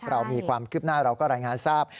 เรามีความคืบหน้าเราก็รายงานทราบ